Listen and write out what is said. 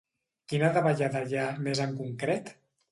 Quina davallada hi ha, més en concret?